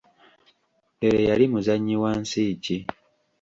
Pere yali muzannyi wa nsi ki ?